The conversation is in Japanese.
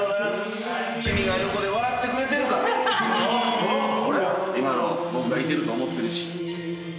君が横で笑ってくれてるから今の僕がいてると思ってるし。